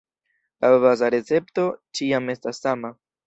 La baza recepto ĉiam estas sama.